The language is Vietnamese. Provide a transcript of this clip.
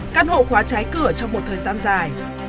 căn hộ khóa trái cửa trong một thời gian dài